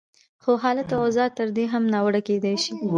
خو حالت او اوضاع تر دې هم ناوړه کېدای شي.